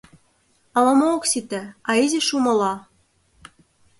Ала-мо ок сите, а изиш умыла.